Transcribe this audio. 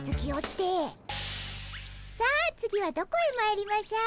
さあ次はどこへまいりましょう？